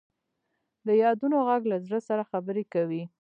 د یادونو ږغ له زړه سره خبرې کوي.